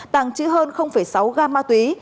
tàng trữ hơn sáu gram ma túy